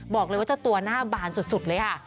บอกเลยว่าเจ้าตัวหน้าบานสุดเลยค่ะ